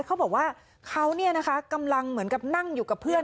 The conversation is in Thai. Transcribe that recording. เขาบอกว่าเขากำลังเหมือนกับนั่งอยู่กับเพื่อน